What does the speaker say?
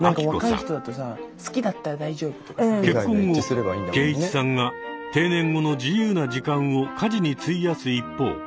結婚後敬一さんが定年後の自由な時間を家事に費やす一方。